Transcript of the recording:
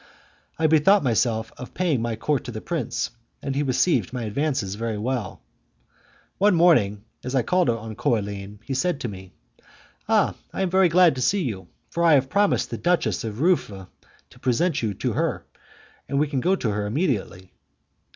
I bethought myself of paying my court to the prince, and he received my advances very well. One morning, as I called on Coraline, he said to me, "Ah! I am very glad to see you, for I have promised the Duchess of Rufe to present you to her, and we can go to her immediately."